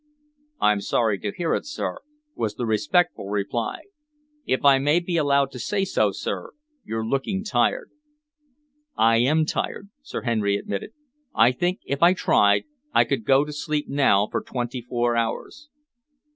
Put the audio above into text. "I'm sorry to hear it, sir," was the respectful reply. "If I may be allowed to say so, sir, you're looking tired." "I am tired," Sir Henry admitted. "I think, if I tried, I could go to sleep now for twenty four hours."